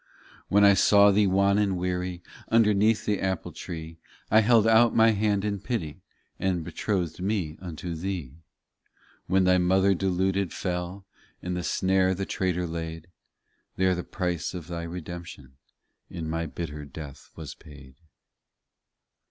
23 When I saw thee wan and weary. Underneath the apple tree; I held out My hand in pity, And betrothed Me unto thee. When thy mother deluded fell. In the snare the traitor laid, There the price of thy redemption, In My bitter death was paid.